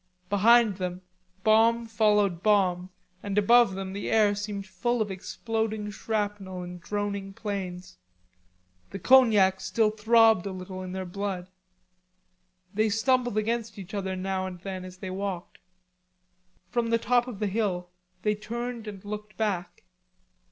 Behind them bomb followed bomb, and above them the air seemed full of exploding shrapnel and droning planes. The cognac still throbbed a little in their blood. They stumbled against each other now and then as they walked. From the top of the hill they turned and looked back.